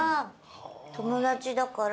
友達だから。